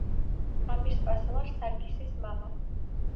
ამირსპასალარ სარგისის მამა.